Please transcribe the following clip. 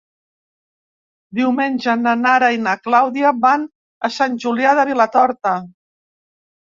Diumenge na Nara i na Clàudia van a Sant Julià de Vilatorta.